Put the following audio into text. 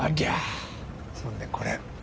そんでこれ。